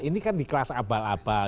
ini kan di kelas abal abal